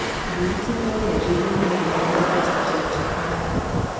Tvůrci teorie živlů byli v Evropě staří Řekové.